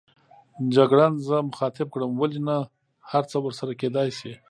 جګړن زه مخاطب کړم: ولې نه، هرڅه ورسره کېدای شي.